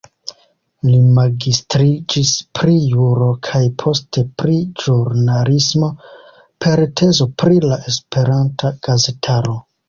Li magistriĝis pri juro kaj poste pri ĵurnalismo per tezo pri la Esperanta gazetaro.